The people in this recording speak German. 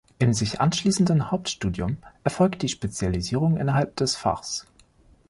Im sich anschließenden Hauptstudium erfolgt die Spezialisierung innerhalb des Fachs.